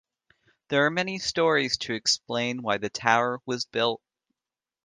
There are many stories to explain why the tower was built.